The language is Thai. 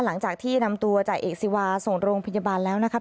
หลังจากที่นำตัวจ่าเอกซิวาส่งโรงพยาบาลแล้วนะครับ